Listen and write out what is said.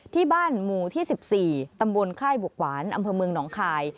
ที่บ้านหมู่ที่๑๔ตำบลค่ายบวกหวานอำเภอเมืองหนองคาย